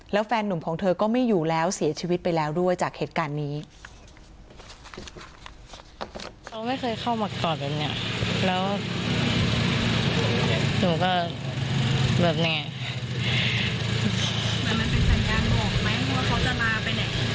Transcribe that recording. ไหนถึงเข้ามากต่อแบบนี้แล้วหนูก็แบบนี้ไง